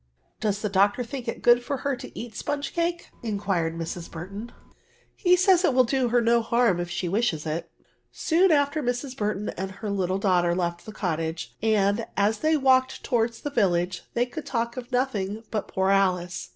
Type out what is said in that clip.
'''^ Does the doctor think it good for her to eat sponge cake V* inquired Mrs. Burton. ''He says it will do her no harm if she wishes it." Soon after Mrs. Burton and her little daughter left the cottage, and, as they walked on towards the village, they could talk of nothing but poor Alice.